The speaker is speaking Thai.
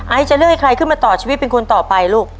จะเลือกให้ใครขึ้นมาต่อชีวิตเป็นคนต่อไปลูก